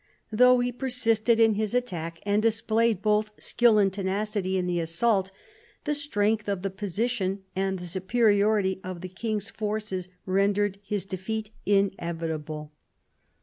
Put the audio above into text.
Though he persisted in his attack, and displayed both skill and tenacity in the assault, the strength of the position and the superiority of the king's forces rendered his defeat inevitable.